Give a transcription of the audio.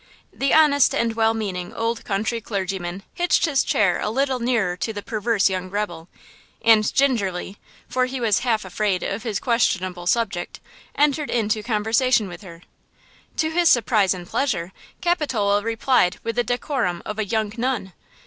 The honest and well meaning old country clergyman hitched his chair a little nearer to the perverse young rebel, and gingerly–for he was half afraid of his questionable subject–entered into conversation with her. To his surprise and pleasure, Capitola replied with the decorum of a young nun.